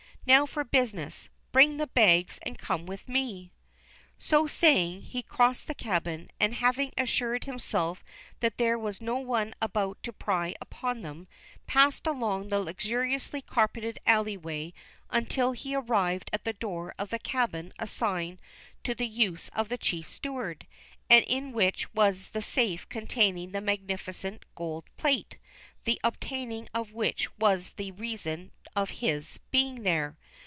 "Now for business. Bring the bags, and come with me." So saying, he crossed the cabin, and, having assured himself that there was no one about to pry upon them, passed along the luxuriously carpeted alley way until he arrived at the door of the cabin assigned to the use of the chief steward, and in which was the safe containing the magnificent gold plate, the obtaining of which was the reason of his being there.